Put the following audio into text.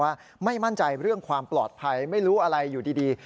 ว่าไม่มั่นใจเรื่องความปลอดภัยไม่รู้อะไรอยู่ดี